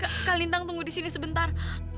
kak lintang tunggu di sini sebentar